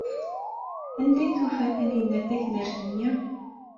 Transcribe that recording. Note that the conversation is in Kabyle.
Anda ay d-tufa Taninna taknart-nni?